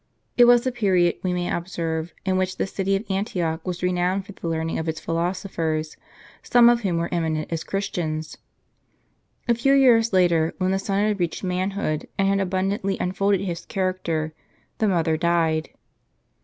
It was a period, we may observe, in which the city of Antioch was renowned for the learning of its philosophers, some of whom were eminent as Christians. A few years later, when the son had reached manhood, and had abundantly unfolded his character, the mother died.